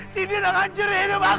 sidi udah hancurin hidup aku sidi